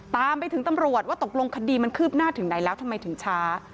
ตามไปถึงตำรวจว่าตกลงคดีมันคืบหน้าถึงไหนแล้วทำไมถึงช้า